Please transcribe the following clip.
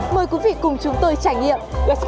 mời quý vị cùng chúng tôi trải nghiệm